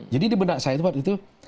jadi di benak saya itu pak itu